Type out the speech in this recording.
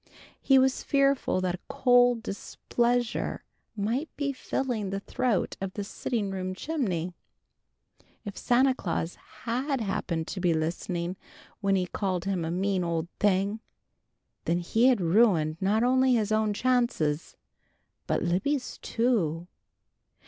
He was fearful that a cold displeasure might be filling the throat of the sitting room chimney. If Santa Claus had happened to be listening when he called him a mean old thing, then had he ruined not only his own chances, but Libby's too.